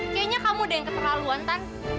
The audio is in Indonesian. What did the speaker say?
kayaknya kamu udah yang keterlaluan tan